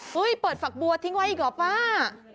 เปิดฝักบัวทิ้งไว้อีกเหรอป้า